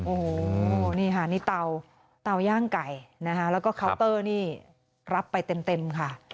โอ้โหนี่ค่ะนี่เตาย่างไก่นะคะแล้วก็เคาน์เตอร์นี่รับไปเต็มค่ะ